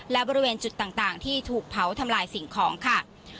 และบริเวณจุดต่างที่ถูกเผาทำลายสิ่งของค่ะ